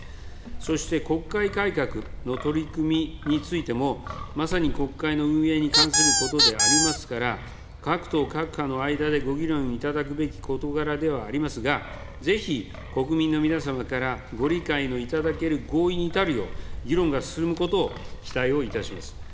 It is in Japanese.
そして国会改革の取り組みについてもまさに国会の運営に関することでありますから、各党、各派の間でご議論いただくべき事柄ではありますが、ぜひ国民の皆様からご理解のいただける合意に至るよう、議論が進むことを期待をいたします。